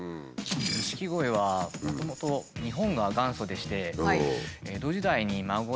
錦鯉はもともと日本が元祖でして。